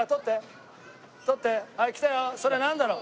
それなんだろう？